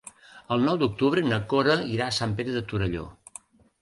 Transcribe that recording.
El nou d'octubre na Cora irà a Sant Pere de Torelló.